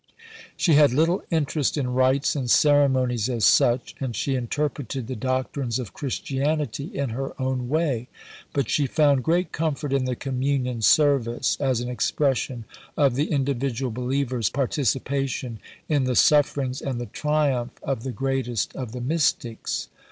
She had little interest in rites and ceremonies as such, and she interpreted the doctrines of Christianity in her own way; but she found great comfort in the Communion Service, as an expression of the individual believer's participation in the sufferings and the triumph of the greatest of the Mystics.